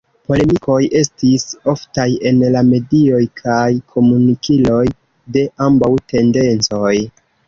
Polemikoj estis oftaj en la medioj kaj komunikiloj de ambaŭ tendencoj.